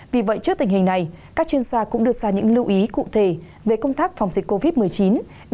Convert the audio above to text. vì vậy trước tình hình này các chuyên gia cũng đưa ra những lưu ý cụ thể về công tác phòng dịch covid một mươi chín